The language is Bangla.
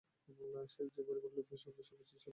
সেই পরিবারের লোপের সঙ্গে সঙ্গে সেই বেদাংশও লুপ্ত হইয়াছে।